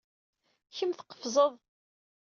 Kemm tqefzeḍ.